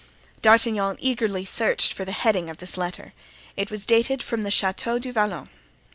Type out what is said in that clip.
D'Artagnan eagerly searched for the heading of this letter; it was dated from the Chateau du Vallon.